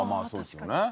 そうですよね。